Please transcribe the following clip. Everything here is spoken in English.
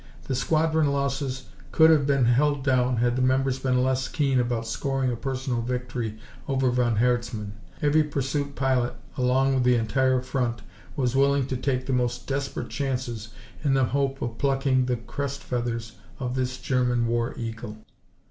The squadron losses could have been held down had the members been less keen about scoring a personal victory over von Herzmann. Every pursuit pilot along the entire front was willing to take the most desperate chances in the hope of plucking the crest feathers of this German war eagle.